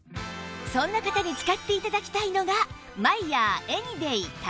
そんな方に使って頂きたいのが